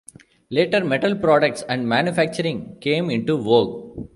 Later metal products and manufacturing came into vogue.